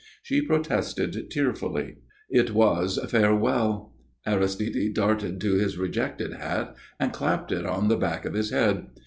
She protested tearfully. It was farewell. Aristide darted to his rejected hat and clapped it on the back of his head.